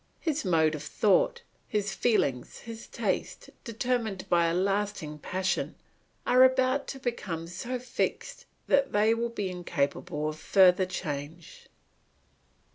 His mode of thought, his feelings, his tastes, determined by a lasting passion, are about to become so fixed that they will be incapable of further change.